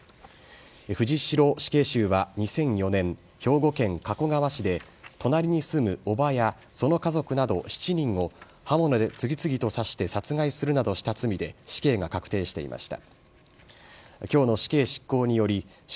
藤城死刑囚は２００４年、兵庫県加古川市で隣に住む伯母やその家族など７人を刃物で次々と刺して殺害するなどした罪で死刑が確定していました。